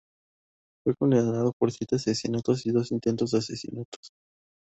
Fue condenado por siete asesinatos y dos intentos de asesinatos.